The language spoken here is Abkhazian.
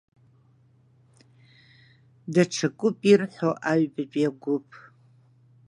Даҽакуп ирҳәо аҩбатәи агәыԥ…